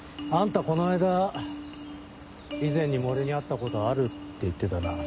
あんたこの間以前にも俺に会ったことあるって言ってたな。